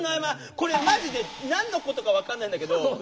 これマジで何のことか分かんないんだけど。